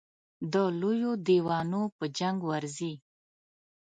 د لویو دېوانو په جنګ ورځي.